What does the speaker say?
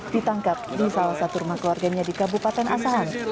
ditangkap di salah satu rumah keluarganya di kabupaten asahan